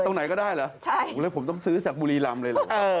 ตรงไหนก็ได้เหรอผมต้องซื้อจากบุรีรำเลยเหรอ